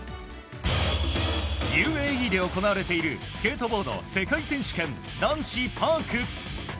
ＵＡＥで行われているスケートボード世界選手権男子パーク。